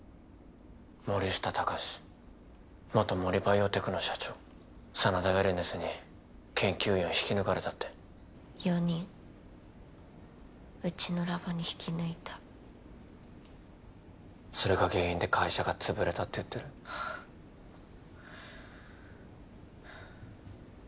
森下貴史元モリバイオテクノ社長真田ウェルネスに研究員を引き抜かれたって４人うちのラボに引き抜いたそれが原因で会社が潰れたって言ってるはあっ